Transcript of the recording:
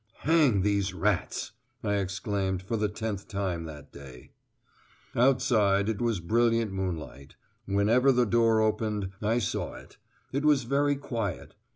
"Hang these rats," I exclaimed, for the tenth time that day. Outside, it was brilliant moonlight: whenever the door opened, I saw it. It was very quiet.